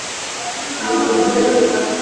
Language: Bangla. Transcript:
অভিজাত হলেও বেশি কাঠখোট্টা যাতে না হয়।